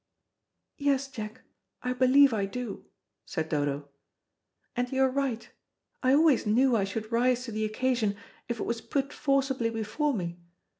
"Yes, Jack, I believe I do," said Dodo. "And you are right; I always knew I should rise to the occasion if it was put forcibly before me.